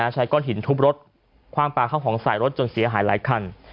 ใช้ก้อนหินทุบรถคว่างปลาเข้าของใส่รถจนเสียหายหลายคัน